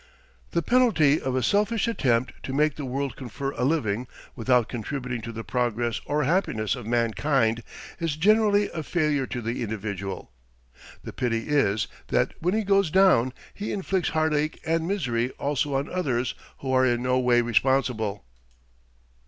The penalty of a selfish attempt to make the world confer a living without contributing to the progress or happiness of mankind is generally a failure to the individual. The pity is that when he goes down he inflicts heartache and misery also on others who are in no way responsible.